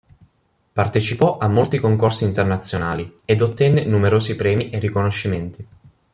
Partecipò a molti concorsi internazionali ed ottenne numerosi premi e riconoscimenti.